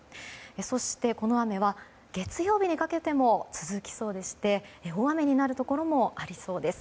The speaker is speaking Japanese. そして、この雨は月曜日にかけても続きそうでして大雨になるところもありそうです。